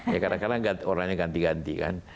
ya kadang kadang orangnya ganti ganti kan